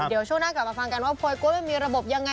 เดี๋ยวช่วงหน้ากลับมาฟังกันว่าโพยก๊วยมันมีระบบยังไง